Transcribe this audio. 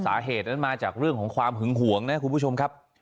สาเหตุนั้นมาจากเรื่องของความหึงห่วงนะคุณผู้ชมครับ